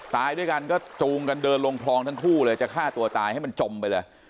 ตายด้วยกันก็จูงกันเดินลงคลองทั้งคู่เลยจะฆ่าตัวตายให้มันจมไปเลย